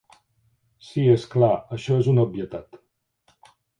Sí, és clar, això és una obvietat.